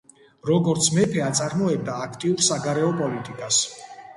როგორც მეფე, აწარმოებდა აქტიურ საგარეო პოლიტიკას.